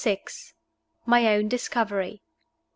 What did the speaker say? MY OWN DISCOVERY.